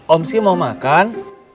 om sih mau makan